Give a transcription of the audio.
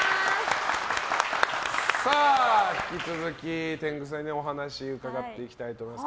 引き続き天狗さんにお話を伺っていきたいと思います。